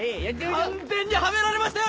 完全にはめられましたよ